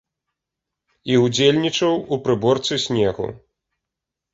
І ўдзельнічаў у прыборцы снегу.